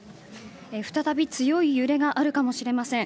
再び強い揺れがあるかもしれません。